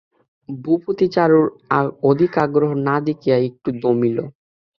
ভূপতি চারুর অধিক আগ্রহ না দেখিয়া একটু দমিল।